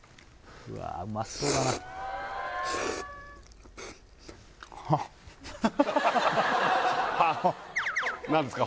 うわあうまそうだな何ですか？